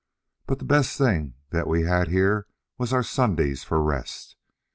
But the best thing that we had here was our Sundays for rest!